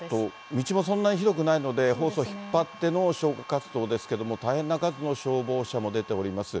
道もそんなに広くないので、ホースを引っ張っての消火活動ですけれども、大変な数の消防車も出ております。